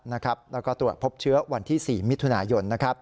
และการต่อพบเชื้อวันที่๔มิถุนายน